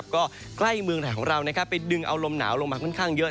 ก็ใกล้เมืองไทยของเราไปดึงเอาลมหนาวลงมาค่อนข้างเยอะ